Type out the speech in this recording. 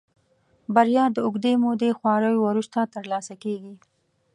بريا د اوږدې مودې خواريو وروسته ترلاسه کېږي.